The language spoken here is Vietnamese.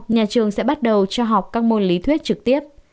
nhà trường sẽ bắt đầu cho học các môn lý thuyết trực tiếp